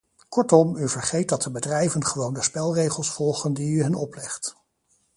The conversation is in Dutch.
Kortom, u vergeet dat de bedrijven gewoon de spelregels volgen die u hen oplegt.